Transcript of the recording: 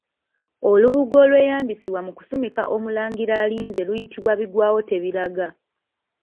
Olubugo olweyambisibwa mu kusumika Omulangira alinze luyitibwa Bigwawotebiraga.